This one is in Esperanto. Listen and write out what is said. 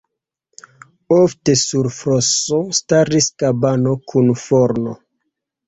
Ofte sur floso staris kabano kun forno.